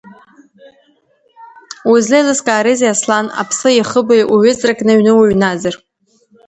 Узлеилыскаарызеи, Аслан, аԥсы ихыбаҩ уҩыҵракны аҩны уҩназар.